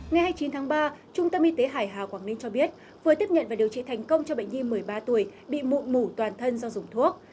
ngày hai mươi chín tháng ba trung tâm y tế hải hà quảng ninh cho biết vừa tiếp nhận và điều trị thành công cho bệnh nhi một mươi ba tuổi bị mụn mủ toàn thân do dùng thuốc